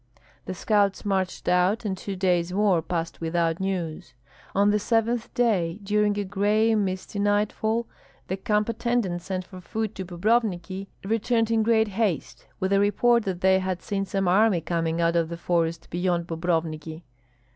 The scouts marched out, and two days more passed without news. On the seventh day, during a gray misty nightfall, the camp attendants sent for food to Bobrovniki returned in great haste, with the report that they had seen some army coming out of the forest beyond Bobrovniki.